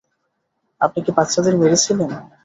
আপনি কি বাচ্চাদের মেরেছিলেন?